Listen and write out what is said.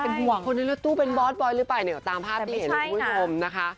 เป็นห่วงคนในรถตู้เป็นบอสบอยหรือเปล่าเนี่ยตามภาพที่เห็นแต่ไม่ใช่น่ะคุณผู้ชมนะคะ